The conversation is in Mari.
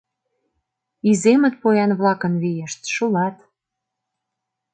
Иземыт поян-влакын вийышт, шулат.